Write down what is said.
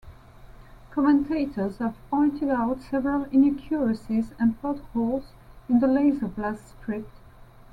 Commentators have pointed out several inaccuracies and plot-holes in the "Laserblast" script.